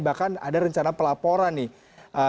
bahkan ada rencana pelaporan nih